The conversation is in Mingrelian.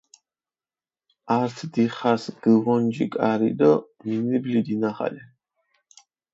ართ დიხას გჷვონჯი კარი დო მინიბლი დინახალე.